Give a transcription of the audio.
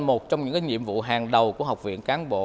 một trong những nhiệm vụ hàng đầu của học viện cán bộ